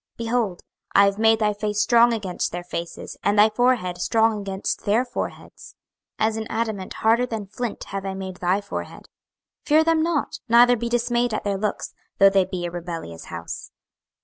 26:003:008 Behold, I have made thy face strong against their faces, and thy forehead strong against their foreheads. 26:003:009 As an adamant harder than flint have I made thy forehead: fear them not, neither be dismayed at their looks, though they be a rebellious house.